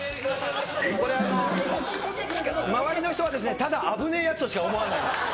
これ、周りの人は、ただあぶねぇやつとしか思わない。